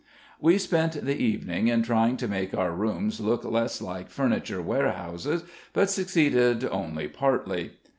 We spent the evening in trying to make our rooms look less like furniture warehouses, but succeeded only partly.